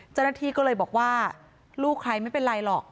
เจ้าหน้าที่ก็เลยบอกว่าลูกใครไม่เป็นไรหรอก